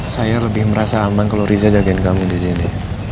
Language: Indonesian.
saya lebih merasa aman kalau riza jagain kamu disini